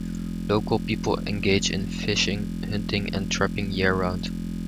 Local people engage in fishing, hunting, and trapping year-round.